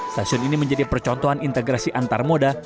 stasiun ini menjadi percontohan integrasi antarmoda